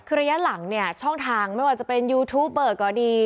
คือระยะหลังเนี่ยช่องทางไม่ว่าจะเป็นยูทูปเปิดก็ดี